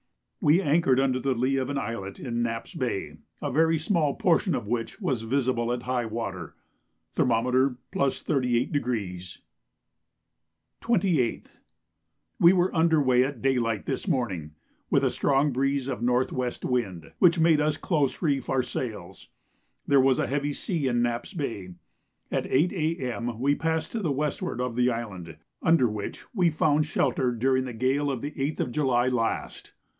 We anchored under the lee of an islet in Knapp's Bay, a very small portion of which was visible at high water. Thermometer +38°. 28th. We were under weigh at day light this morning, with a strong breeze of north west wind, which made us close reef our sails. There was a heavy sea in Knapp's Bay. At 8 A.M. we passed to the westward of the island, under which we found shelter during the gale of the 8th of July last.